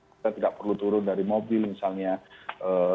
kita tidak perlu turun dari mobil misalnya